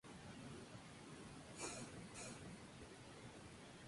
Sus últimos equipos han sido de Guatemala.